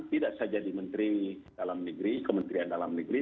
tidak saja di menteri dalam negeri kementerian dalam negeri